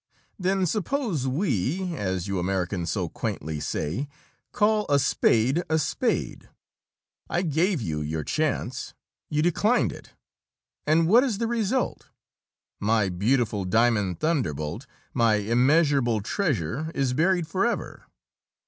Then suppose we as you Americans so quaintly say call a spade a spade! I gave you your chance. You declined it. And what is the result? My beautiful Diamond Thunderbolt, my immeasurable treasure, is buried forever."